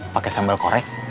pakai sambal korek